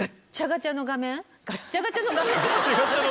ガッチャガチャの画面って言葉も。